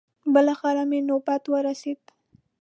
بلاخره مې نوبت ورسېد.